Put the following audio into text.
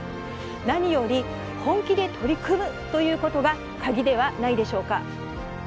何より本気で取り組むということが鍵ではないでしょうか。